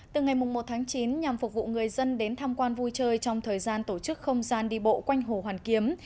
từ ngày một tháng chín nhằm phục vụ người dân đến tham quan vui chơi trong thời gian tổ chức không gian đi bộ quanh hồ hoàn kiếm